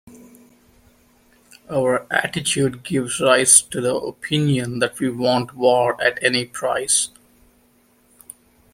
Our attitude gives rise to the opinion that we want war at any price.